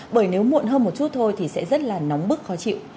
bởi nếu muộn hơn một chút thôi thì sẽ rất là nóng bức khó chịu